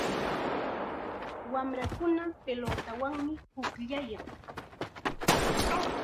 Wamrakuna pilutawanmi pukllayan.